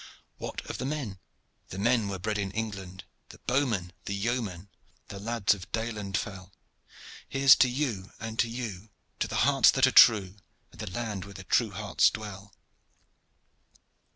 What of the men? The men were bred in England, The bowmen, the yeomen, The lads of the dale and fell, Here's to you and to you, To the hearts that are true, And the land where the true hearts dwell.